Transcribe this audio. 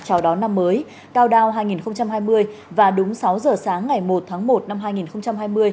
chào đón năm mới cao đao hai nghìn hai mươi và đúng sáu giờ sáng ngày một tháng một năm hai nghìn hai mươi